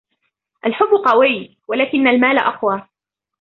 الحُب قوي, ولكن المال أقوى.